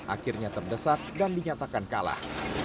akhirnya terdesak dan dinyatakan kalah